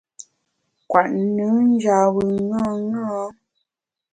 Kwet nùn njap bùn ṅaṅâ.